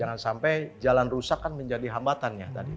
jangan sampai jalan rusak kan menjadi hambatannya tadi